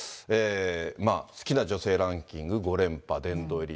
好きな女性ランキング５連覇殿堂入り。